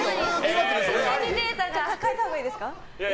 変えたほうがいいですか。